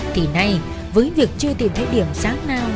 kỳ này với việc chưa tìm thấy điểm sáng nào